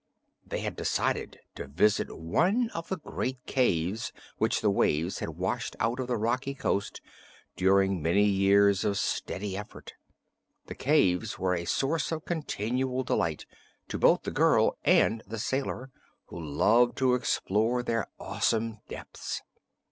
They had decided to visit one of the great caves which the waves had washed out of the rocky coast during many years of steady effort. The caves were a source of continual delight to both the girl and the sailor, who loved to explore their awesome depths.